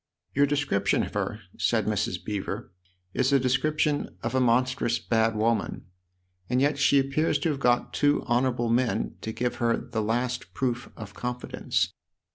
" Your description of her," said Mrs. Beever, " is a description of a monstrous bad woman. And yet she appears to have got two honourable men to give her the last proof of confidence."